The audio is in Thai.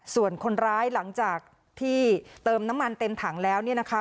ส่วนคนร้ายหลังจากที่เติมน้ำมันเต็มถังแล้วเนี่ยนะคะ